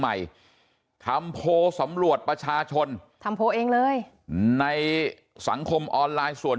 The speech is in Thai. ใหม่ทำโพลสำรวจประชาชนทำโพลเองเลยในสังคมออนไลน์ส่วน